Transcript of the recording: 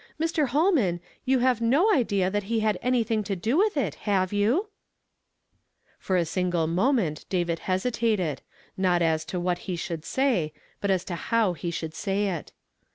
iNIr. Ilolman, you have no idea that he had anything to do with it, have you ?" For a single moment David hesitated ; not as to what he should say, but as to how he should say it.